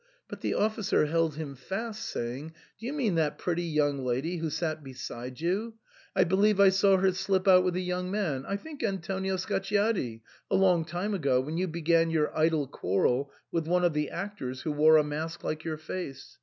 But the ofl&cer held him fast, saying, " Do you mean that pretty young lady who sat beside you ? I believe I saw her slip out with a young man — I think Antonio Scacciati — a long time ago, when you began your idle quarrel with one of the actors who wore a mask like your face.